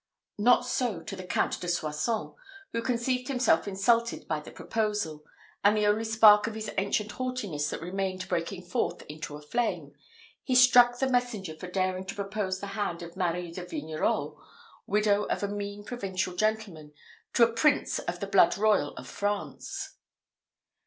Not so the Count de Soissons, who conceived himself insulted by the proposal; and the only spark of his ancient haughtiness that remained breaking forth into a flame, he struck the messenger for daring to propose the hand of Marie de Vignerot, widow of a mean provincial gentleman, to a prince of the blood royal of France.